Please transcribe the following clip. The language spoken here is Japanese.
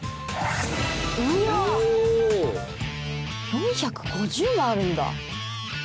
４５０もあるんだ！